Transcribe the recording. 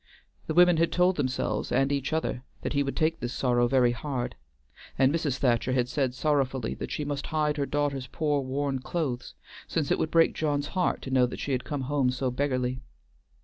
The women had told themselves and each other that he would take this sorrow very hard, and Mrs. Thacher had said sorrowfully that she must hide her daughter's poor worn clothes, since it would break John's heart to know she had come home so beggarly.